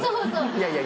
いやいや